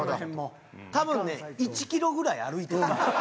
多分ね１キロぐらい歩いてるよ。